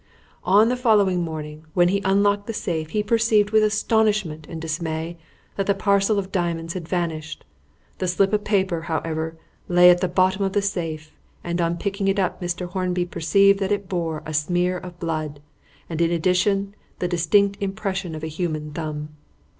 "On the following morning, when he unlocked the safe, he perceived with astonishment and dismay that the parcel of diamonds had vanished. The slip of paper, however, lay at the bottom of the safe, and on picking it up Mr. Hornby perceived that it bore a smear of blood, and in addition, the distinct impression of a human thumb.